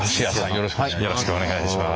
よろしくお願いします。